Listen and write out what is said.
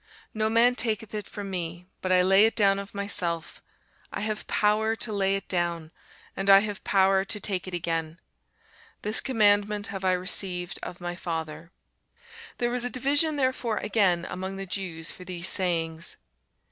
No man taketh it from me, but I lay it down of myself. I have power to lay it down, and I have power to take it again. This commandment have I received of my Father. [Sidenote: St. John 10] There was a division therefore again among the Jews for these sayings.